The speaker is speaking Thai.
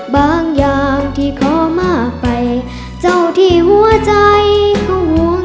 บางอย่างที่ขอมากไปเจ้าที่หัวใจพ่วง